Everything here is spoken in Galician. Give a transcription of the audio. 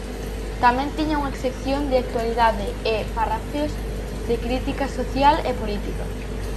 Tamén tiña unha sección de actualidade e parrafeos de crítica social e política.